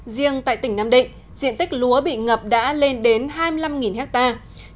riêng tại tỉnh nam định diện tích lúa bị ngập đã lên đến hai mươi năm hectare